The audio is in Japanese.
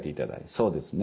そうですね。